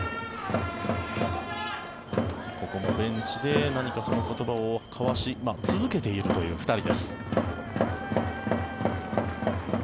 ここもベンチで何か言葉を交わし続けているという２人です。